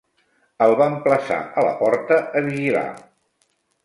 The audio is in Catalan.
El van plaçar a la porta a vigilar.